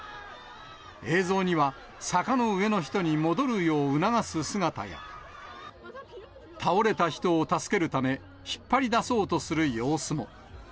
映像には坂の上の人に戻るよう促す姿や、倒れた人を助けるため、引っ張り出そうとする様子も。